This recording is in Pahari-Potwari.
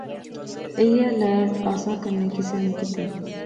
ایہہ لاڈ اساں کنے کسا نی کتے